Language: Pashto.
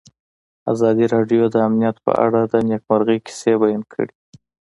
ازادي راډیو د امنیت په اړه د نېکمرغۍ کیسې بیان کړې.